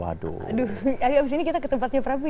abis ini kita ke tempatnya prapi